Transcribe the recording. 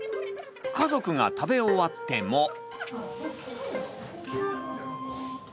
家族が食べ終わっても。